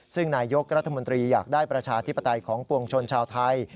ซึ่งนายกรัฐมนตรีอยากได้ประชาธิปไตยของปวงชนชาวไทย